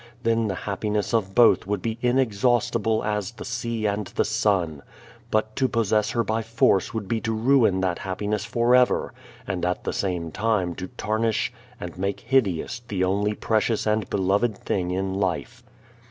Then the happiness of both would be inexhaustible as the sea and the sun. But to possess her by force would be to ruin that happiness forever, and at the same time to tarnish and make hideous the only precious and beloved thing in life.